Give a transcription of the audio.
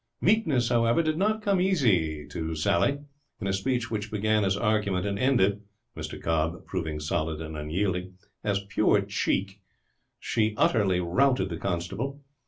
Meekness, however, did not come easily to Sally. In a speech which began as argument and ended (Mr Cobb proving solid and unyielding) as pure cheek, she utterly routed the constable.